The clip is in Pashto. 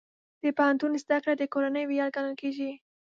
د پوهنتون زده کړه د کورنۍ ویاړ ګڼل کېږي.